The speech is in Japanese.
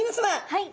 はい！